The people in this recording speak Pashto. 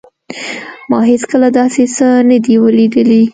ما هیڅکله داسې څه نه دي لیدلي